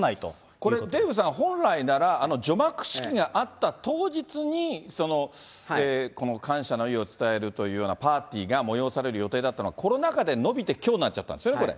これ、デーブさん、本来なら除幕式があった当日に、感謝の意を伝えるというようなパーティーが催される予定だったのが、コロナかで延びてきょうになっちゃったんですよね、これ。